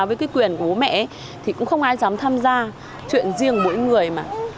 với cái quyền của bố mẹ thì cũng không ai dám tham gia chuyện riêng mỗi người mà